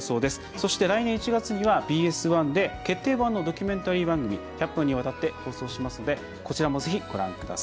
そして来年１月にはＢＳ１で決定版のドキュメンタリー番組１００分にわたって放送しますのでこちらもぜひご覧ください。